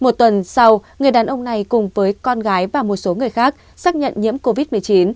một tuần sau người đàn ông này cùng với con gái và một số người khác xác nhận nhiễm covid một mươi chín